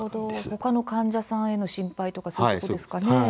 ほかの患者さんへの心配とかそういうことですかね。